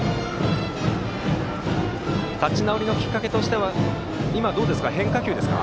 立ち直りのきっかけとして今どうですか、変化球ですか？